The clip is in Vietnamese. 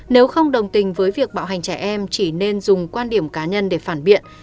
nếu không đồng tình với việc bạo hành trẻ em chỉ nên dùng quan điểm cá nhân để phản biện